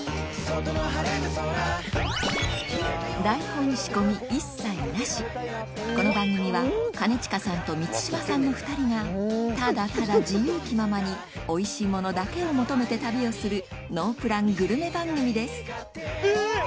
台本仕込み一切なしこの番組は兼近さんと満島さんの２人がただただ自由気ままにおいしいものだけを求めて旅をするノープラングルメ番組ですえ！